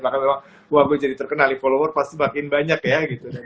bahkan memang wah gue jadi terkenal follower pasti makin banyak ya